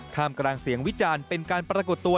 มกลางเสียงวิจารณ์เป็นการปรากฏตัว